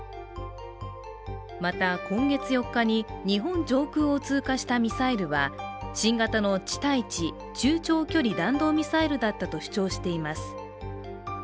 また、今月４日に日本上空を通過したミサイルは、新型の地対地中長距離弾道ミサイルだったと主張しています。